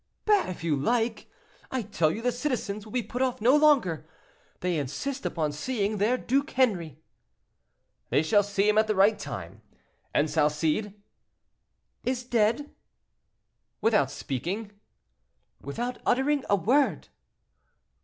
"Bah! if you like. I tell you the citizens will be put off no longer; they insist upon seeing their Duke Henri." "They shall see him at the right time. And Salcede—?" "Is dead." "Without speaking?" "Without uttering a word."